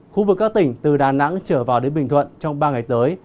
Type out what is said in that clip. khu vực các tỉnh từ đà nẵng trở vào đến bình thuận trong ba ngày tới